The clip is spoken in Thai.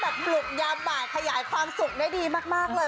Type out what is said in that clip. ทักแบบบลุกยามหมายขยายความสุขได้ดีมากเลย